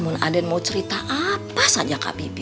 namun aden mau cerita apa saja kak bibi